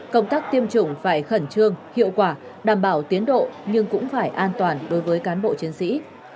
công tác tiêm chủng phải khẩn trương hiệu quả đảm bảo tiến độ nhưng cũng phải an toàn đối với cán bộ chiến sĩ